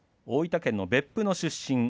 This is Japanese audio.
大分県別府市出身。